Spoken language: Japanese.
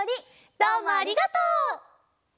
どうもありがとう！